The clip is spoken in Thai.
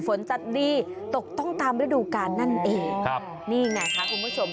ฝนจะดีตกต้องตามฤดูกาลนั่นเองครับนี่ไงคะคุณผู้ชม